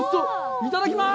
いただきます！